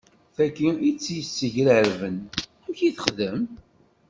Tagi i t-yessegrarben, amek i texdem?